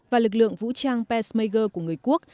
và lực lượng vũ trang pesmager của người quốc